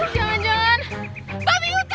jangan jangan babi hutan